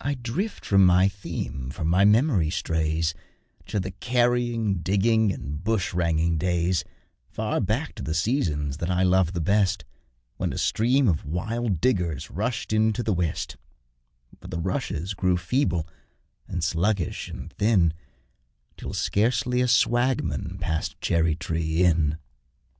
I drift from my theme, for my memory strays To the carrying, digging, and bushranging days Far back to the seasons that I love the best, When a stream of wild diggers rushed into the west, But the 'rushes' grew feeble, and sluggish, and thin, Till scarcely a swagman passed Cherry tree Inn.